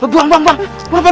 buang buang buang